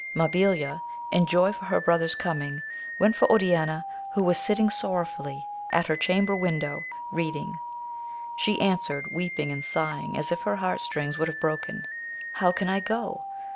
Mabiha, in joy for her brother's coming, went for Oriana, who was sitting sorrowfully at her chamber window, read AMADIS OF GAUL. 7 ing. She answered, weeping and sighing as if her heart strings would have broken. How can I go